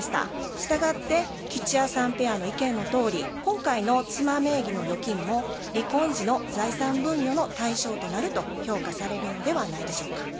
したがって吉弥さんペアの意見のとおり今回の妻名義の預金も離婚時の財産分与の対象となると評価されるのではないでしょうか。